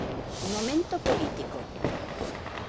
Momento político.